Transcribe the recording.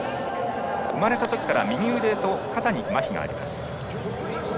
生まれたときから右腕と肩にまひがあります。